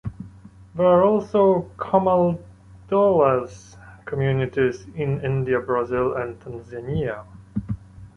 There are also Camaldolese communities in India, Brazil, and Tanzania.